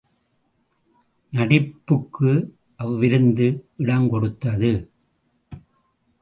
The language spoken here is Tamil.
நடிப்புக்கு அவ்விருந்து இடங்கொடுத்தது.